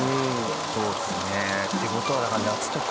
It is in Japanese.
そうですね。という事はだから夏とか。